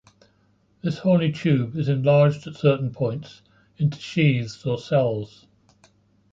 This horny tube is enlarged at certain points into sheaths or cells.